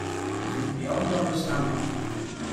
It is beyond understanding.